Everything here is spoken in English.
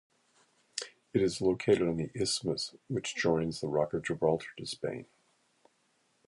It is located on the isthmus which joins the Rock of Gibraltar to Spain.